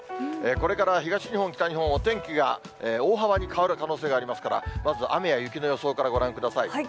これから東日本、北日本、お天気が大幅に変わる可能性がありますから、まず、雨や雪の予想からご覧ください。